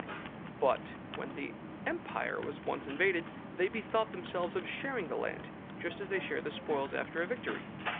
But, when the empire was once invaded, they bethought themselves of sharing the land, just as they shared spoils after a victory.